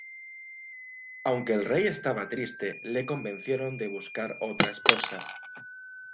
Aunque el rey estaba triste le convencieron de buscar otra esposa.